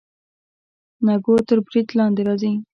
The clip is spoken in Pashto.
نکو تر برید لاندې راځي.